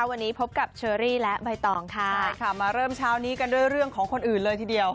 วันนี้พบกับเชอรี่และใบตองค่ะใช่ค่ะมาเริ่มเช้านี้กันด้วยเรื่องของคนอื่นเลยทีเดียว